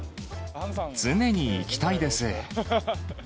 常に行きたいです。